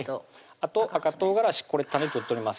あと赤唐辛子これ種取っております